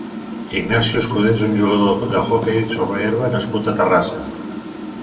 Ignacio Escudé és un jugador d'hoquei sobre herba nascut a Terrassa.